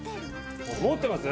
持ってます？